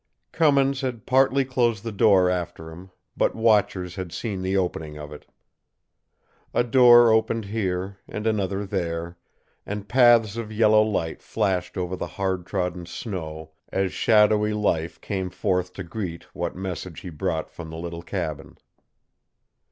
Cummins had partly closed the door after him; but watchers had seen the opening of it. A door opened here, and another there, and paths of yellow light flashed over the hard trodden snow as shadowy life came forth to greet what message he brought from the little cabin.